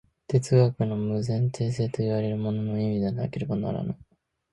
哲学の無前提性といわれるものの意味でなければならぬ。